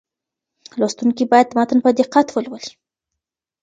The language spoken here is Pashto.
لوستونکي باید متن په دقت ولولي.